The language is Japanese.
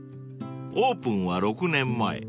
オープンは６年前］